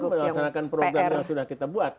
untuk melaksanakan program yang sudah kita buat